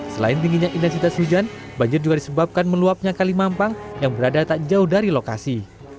selain tingginya intensitas hujan banjir juga disebabkan meluapnya kali mampang yang berada tak jauh dari lokasi